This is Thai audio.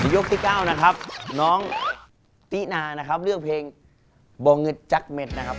ยกที่๙นะครับน้องตินานะครับเลือกเพลงบ่อเงินแจ็คเม็ดนะครับ